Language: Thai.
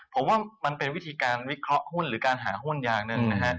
ผมว่ามันเป็นวิธีการวิเคราะห์หุ้นหรือการหาหุ้นอย่างหนึ่งนะฮะ